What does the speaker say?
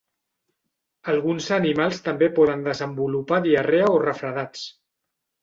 Alguns animals també poden desenvolupar diarrea o refredats.